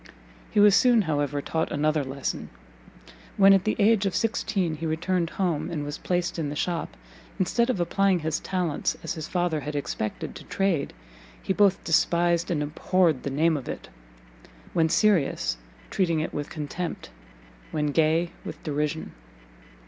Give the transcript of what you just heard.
He was soon, however, taught another lesson; when, at the age of sixteen, he returned home, and was placed in the shop, instead of applying his talents, as his father had expected, to trade, he both despised and abhorred the name of it; when serious, treating it with contempt, when gay, with derision.